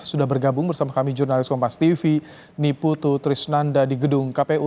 sudah bergabung bersama kami jurnalis kompas tv niputu trisnanda di gedung kpu